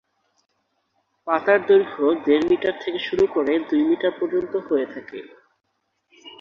পাতার দৈর্ঘ্য দেড় মিটার থেকে শুরু করে দুই মিটার পর্যন্ত হয়ে থাকে।